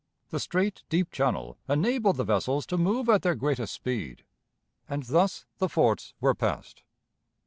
The straight, deep channel enabled the vessels to move at their greatest speed, and thus the forts were passed.